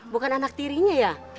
bukan anak tirinya ya